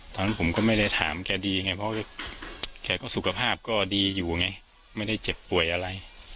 ตอนนั้นผมก็ไม่ได้ถามแกดีไงเพราะแกก็สุขภาพก็ดีอยู่ไงไม่ได้เจ็บป่วยอะไร